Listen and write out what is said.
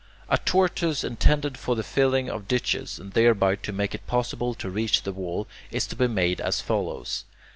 A tortoise intended for the filling of ditches, and thereby to make it possible to reach the wall, is to be made as follows.